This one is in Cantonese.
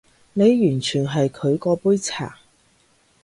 你完全係佢嗰杯茶